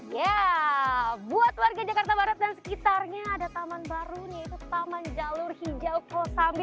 ya buat warga jakarta barat dan sekitarnya ada taman baru yaitu taman jalur hijau kosambi